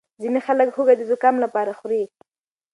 ځینې خلک هوږه د زکام لپاره خوري.